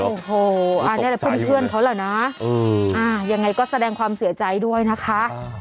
โอ้โหอันนี้แหละเพื่อนเขาแหละนะยังไงก็แสดงความเสียใจด้วยนะคะ